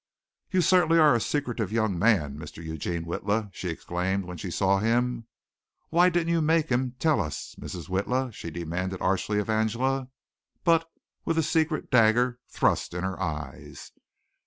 "You certainly are a secretive young man, Mr. Eugene Witla," she exclaimed, when she saw him. "Why didn't you make him tell us, Mrs. Witla?" she demanded archly of Angela, but with a secret dagger thrust in her eyes.